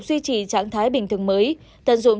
duy trì trạng thái bình thường mới tận dụng